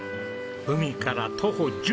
海から徒歩１５秒！